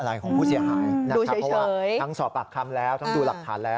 มันเป็นแค่อารมณ์ชั่ววูบครับ